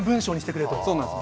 そうなんです。